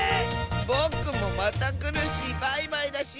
ぼくもまたくるしバイバイだし！